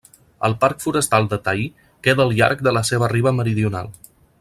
El parc forestal de Tay queda al llarg de la seva riba meridional.